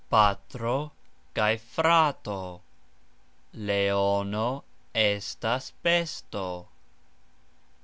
Patro kaj frato. Leono estas besto.